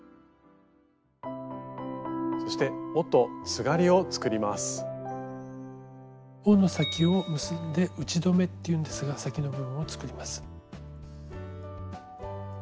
そして緒の先を結んで「打留」っていうんですが先の部分を作ります。